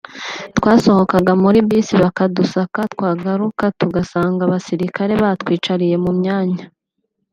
twasohokaga muri bus bakadusaka twagaruka tugasanga abasirikare batwicariye mu myanya